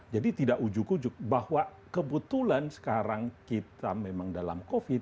jadi tidak ujuk ujuk bahwa kebetulan sekarang kita memang dalam covid